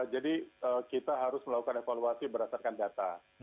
jadi kita harus melakukan evaluasi berdasarkan data